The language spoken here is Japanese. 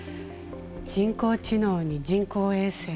人工知能に人工衛星。